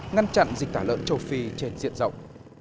ngăn chặn dịch tả lợn châu phi trên diện rộng